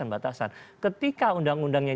batasan ketika undang undang yang